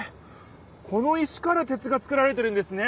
この石から鉄が作られてるんですね！